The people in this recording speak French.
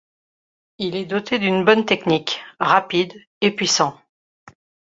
Il est doté d'une bonne technique, rapide et puissant.